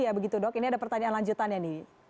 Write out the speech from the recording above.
iya begitu dok ini ada pertanyaan lanjutannya nih